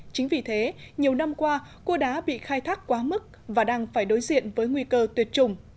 chính vì thế nhiều năm qua cua đá bị khai thác quá mức và đang phải đối diện với nguy cơ tuyệt chủng